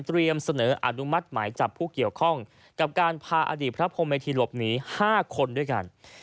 เสนออนุมัติหมายจับผู้เกี่ยวข้องกับการพาอดีตพระพรมเมธีหลบหนี๕คนด้วยกัน